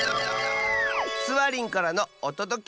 スワリンからのおとどけニャ！